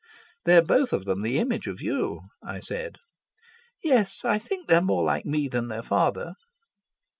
"They're both of them the image of you," I said. "Yes; I think they are more like me than their father."